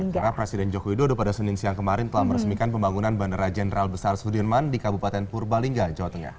karena presiden joko widodo pada senin siang kemarin telah meresmikan pembangunan bandara jenderal besar sudirman di kabupaten purbalingga jawa tengah